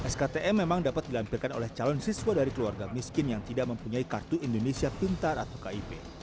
sktm memang dapat dilampirkan oleh calon siswa dari keluarga miskin yang tidak mempunyai kartu indonesia pintar atau kip